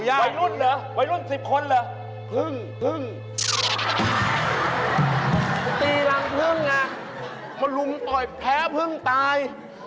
อ่อยรุมต่อยแพ้พึ่งตาย